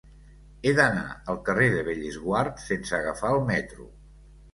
He d'anar al carrer de Bellesguard sense agafar el metro.